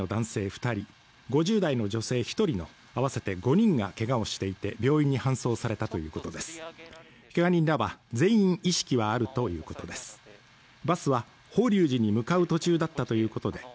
二人５０代の女性一人の合わせて５人がけがをしていて病院に搬送されたということです